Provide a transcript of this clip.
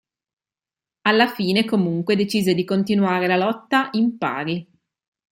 Alla fine comunque, decise di continuare la lotta impari.